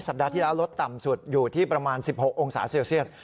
ปัดที่แล้วลดต่ำสุดอยู่ที่ประมาณ๑๖องศาเซลเซียส